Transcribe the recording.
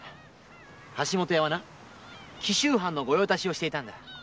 橋本屋は紀州藩の御用達をしていたんだ。